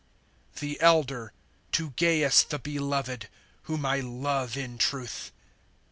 THE elder to Gaius the beloved, whom I love in truth.